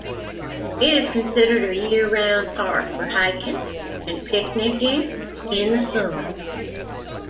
It is considered a year-round park for hiking and picnicking in the summer.